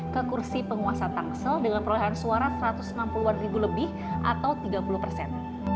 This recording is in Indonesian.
ke kursi penguasa tangsel dengan perolehan suara satu ratus enam puluh an ribu lebih atau tiga puluh persen